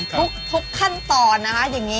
ทุกขั้นตอนนะคะอย่างนี้